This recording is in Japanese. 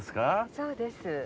そうです。